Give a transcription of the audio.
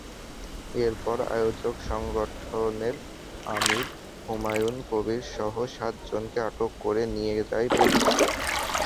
এরপর আয়োজক সংগঠনের আমির হুমায়ন কবীরসহ সাতজনকে আটক করে নিয়ে যায় পুলিশ।